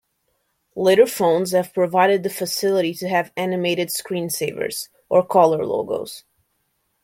Later phones have provided the facility to have animated screen savers, or colour logos.